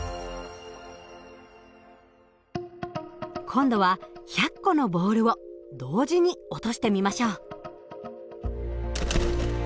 今度は１００個のボールを同時に落としてみましょう。